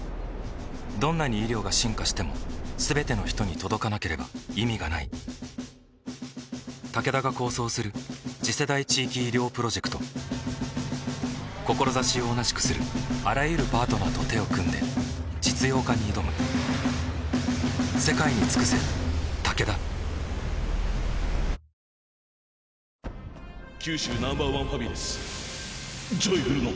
どんなに医療が進化しても全ての人に届かなければ意味がないタケダが構想する次世代地域医療プロジェクト志を同じくするあらゆるパートナーと手を組んで実用化に挑むミッションをクリアしたＡチームきたきた食べたいよね